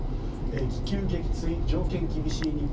気球撃墜、条件厳しい日本。